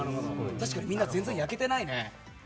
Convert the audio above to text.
確かにみんな全然焼けてないね。